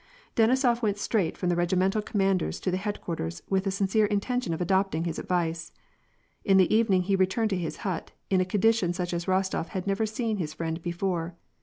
Denisof went straight from the regimental commander's to the headquarters, with a sincere intention of adopting his ad vice. In the evening he returned to his hut in a condition such as Rostof had never seen his friend before.